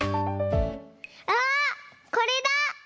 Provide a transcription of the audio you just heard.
あっこれだ！